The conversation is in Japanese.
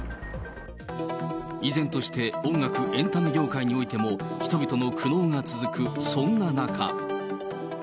依然として、音楽・エンタメ業界においても、人々の苦悩が続くそんな中。